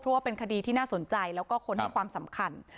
เพราะว่าเป็นคดีที่น่าสนใจแล้วก็คนให้ความสำคัญ